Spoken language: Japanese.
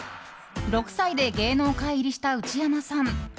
６歳で芸能界入りした内山さん。